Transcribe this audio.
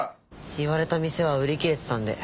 言われた店は売り切れてたんで。